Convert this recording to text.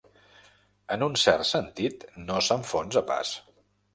En un cert sentit, no s'enfonsa pas.